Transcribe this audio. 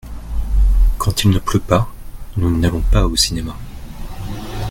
Quand il ne pleut pas nous n’allons pas au cinéma.